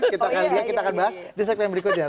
kita akan lihat kita akan bahas di segmen berikutnya